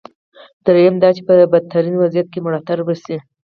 درېیم دا چې په بدترین وضعیت کې ملاتړ وشي.